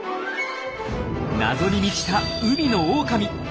謎に満ちた海のオオカミ。